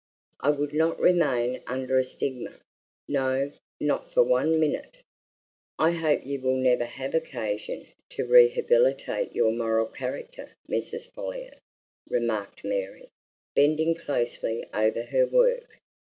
I would not remain under a stigma no, not for one minute!" "I hope you will never have occasion to rehabilitate your moral character, Mrs. Folliot," remarked Mary, bending closely over her work.